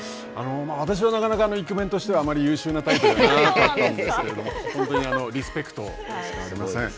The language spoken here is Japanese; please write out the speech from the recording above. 私はなかなかイクメンとしてはあまり優秀なタイプではなかったんですけれども本当にリスペクトしかありません。